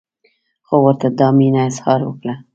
خو ورته دا مینه اظهار وکړه.